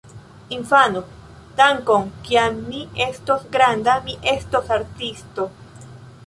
Infano: "Dankon! Kiam mi estos granda, mi estos artisto!"